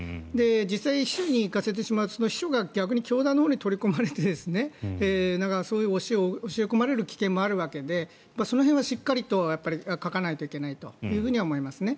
実際、秘書に行かせてしまうとその秘書が逆に教団のほうに取り込まれて教え込まれる危険もあるわけでその辺はしっかりと書かないといけないとは思いますね。